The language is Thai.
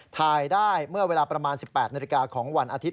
ถ่ายได้เมื่อเวลาประมาณ๑๘นาฬิกาของวันอาทิตย